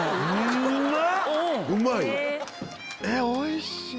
おいしい！